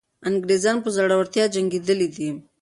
انګریزان په زړورتیا جنګېدلي دي.